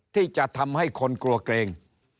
ที่จะทำให้คนกลัวเกรง